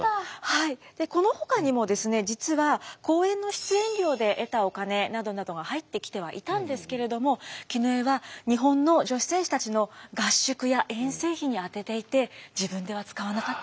はいこのほかにもですね実は講演の出演料で得たお金などなどが入ってきてはいたんですけれども絹枝は日本の女子選手たちの合宿や遠征費に充てていて自分では使わなかったんだそうです。